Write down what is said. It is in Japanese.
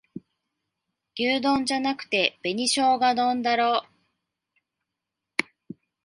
牛丼じゃなくて紅しょうが丼だろ